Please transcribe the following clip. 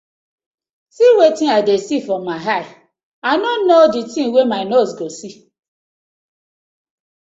See wetin I dey see for my eye, I no no di tin wey my nose go see.